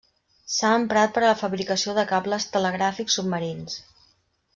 S'ha emprat per a la fabricació de cables telegràfics submarins.